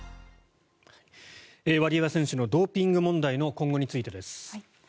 ワリエワ選手のドーピング問題の今後についてです。